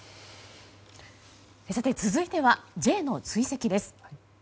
続いては、Ｊの追跡です。